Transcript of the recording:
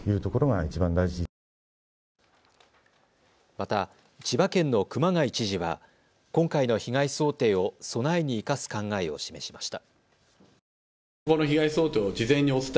また、千葉県の熊谷知事は今回の被害想定を備えに生かす考えを示しました。